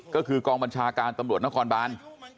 ก็คือกองบัญชาการตำรวจนครบาน